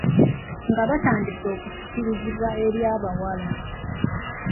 Nga batandise okusikirizibwa eri abawala.